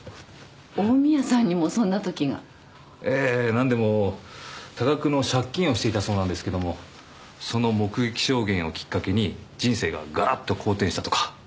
何でも多額の借金をしていたそうなんですけどもその目撃証言をきっかけに人生ががらっと好転したとか。